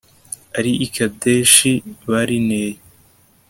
ari i kadeshi barineya